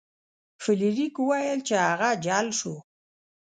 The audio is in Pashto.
فلیریک وویل چې هغه جل شو.